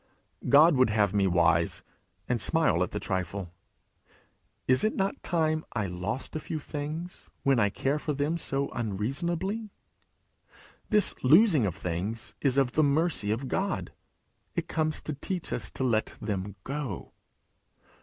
God would have me wise, and smile at the trifle. Is it not time I lost a few things when I care for them so unreasonably? This losing of things is of the mercy of God; it comes to teach us to let them go.